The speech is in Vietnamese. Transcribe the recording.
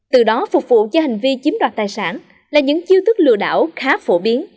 từ đó phục vụ cho hành vi chiếm đoạt tài sản là những chiêu thức lừa đảo khá phổ biến